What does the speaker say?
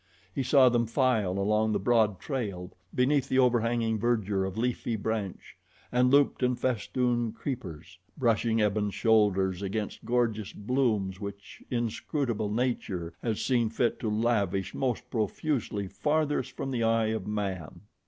He saw them file along the broad trail, beneath the overhanging verdure of leafy branch and looped and festooned creepers, brushing ebon shoulders against gorgeous blooms which inscrutable Nature has seen fit to lavish most profusely farthest from the eye of man.